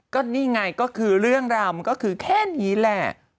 ก็นี่ไงก็คือเรื่องราวมันก็คือแค่นี้แหละ